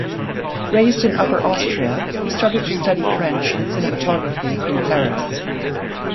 Raised in Upper Austria he started to study French and cinematography in Paris.